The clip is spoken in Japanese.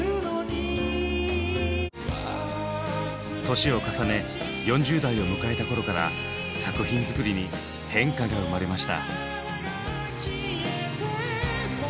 年を重ね４０代を迎えた頃から作品作りに変化が生まれました。